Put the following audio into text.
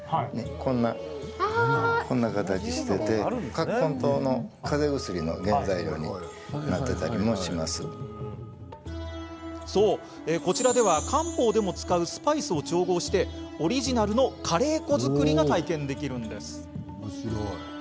こんな形していて、葛根湯のそう、こちらでは漢方でも使うスパイスを調合してオリジナルのカレー粉作りが体験できるんです。